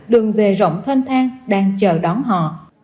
đường về rộng thanh thang đang chờ đón họ